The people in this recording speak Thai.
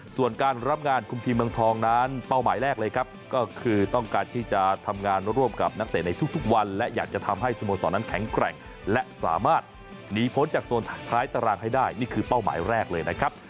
ส่วนการรับงานคุมทีมเมืองทองนั้นเป้าหมายแรกเลยครับก็คือต้องการที่จะทำงานร่วมกับนักเตะในทุกวันและอยากจะทำให้สโมสรนั้นแข็งแกร่งและสามารถหนีพ้นจากโซนท้ายตารางให้ได้นี่คือเป้าหมายแรกเลยนะครับ